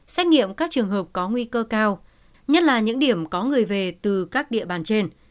xét nghiệm các trường hợp có nguy cơ cao nhất là những điểm có người về từ các địa bàn trên